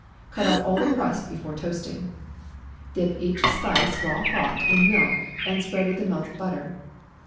(Cut off all the crust before toasting.) Dip each slice, while hot, in milk, and spread with the melted butter.